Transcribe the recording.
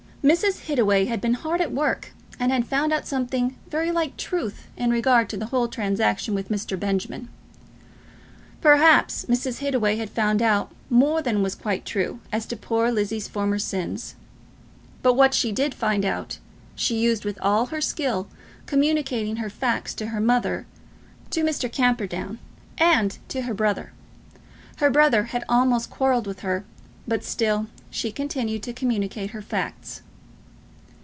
Mrs. Hittaway had been hard at work, and had found out something very like truth in regard to the whole transaction with Mr. Benjamin. Perhaps Mrs. Hittaway had found out more than was quite true as to poor Lizzie's former sins; but what she did find out she used with all her skill, communicating her facts to her mother, to Mr. Camperdown, and to her brother. Her brother had almost quarrelled with her, but still she continued to communicate her facts.